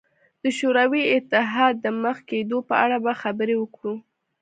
د شوروي اتحاد د مخ کېدو په اړه به خبرې وکړو.